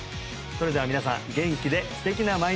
それでは皆さん元気で素敵な毎日を！